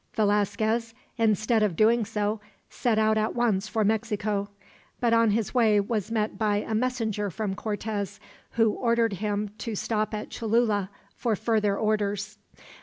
Velasquez, instead of doing so, set out at once for Mexico; but on his way was met by a messenger from Cortez, who ordered him to stop at Cholula for further orders.